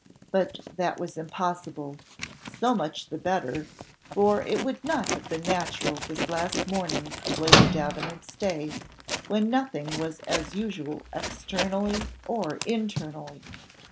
But that was impossible: so much the better, for it would not have been natural this last morning of Lady Davenant's stay, when nothing was as usual externally or internally.